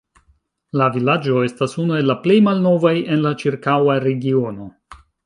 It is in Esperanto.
La vilaĝo estas unu el la plej malnovaj en la ĉirkaŭa regiono.